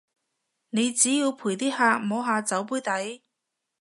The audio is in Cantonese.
你只要陪啲客摸下酒杯底